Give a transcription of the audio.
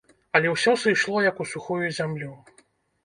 Але ўсё сыйшло, як у сухую зямлю.